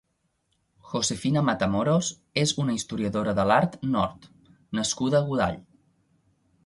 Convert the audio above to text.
Josefina Matamoros és una historiadora de l'art nord- nascuda a Godall.